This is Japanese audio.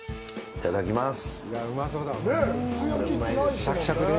いただきます。